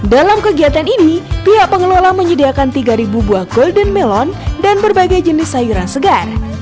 dalam kegiatan ini pihak pengelola menyediakan tiga buah golden melon dan berbagai jenis sayuran segar